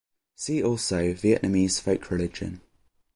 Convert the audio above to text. See also Vietnamese folk religion.